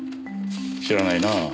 知らないな。